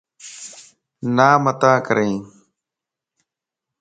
نامتان ڪرين